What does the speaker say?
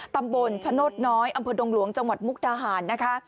ตำบลชโนธน้อยอำเภอดงหลวงจังหวัดมุกดาหารนะคะ